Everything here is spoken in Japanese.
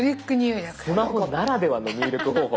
スマホならではの入力方法。